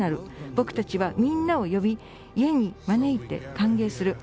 僕たちはみんなを呼び家に招いて歓迎する。